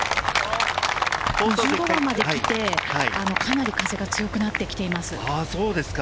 １５番まで来て、かなり風が強くなってきています。